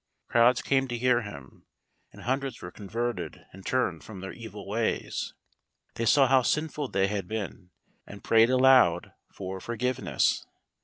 Crowds came to hear him, and hundreds were converted and turned from their evil ways. They saw how sinful they had been and prayed aloud for forgiveness.